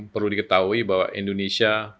perlu diketahui bahwa indonesia